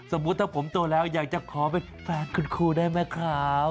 สมมุติถ้าผมโตแล้วอยากจะขอเป็นแฟนคุณครูได้ไหมครับ